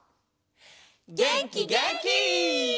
げんきげんき！